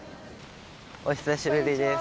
お久しぶりです。